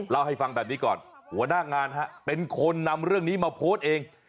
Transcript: เล่าให้ฟังแบบนี้ก่อนหัวหน้างานเป็นคนนำเรื่องนี้มาโพสต์เอง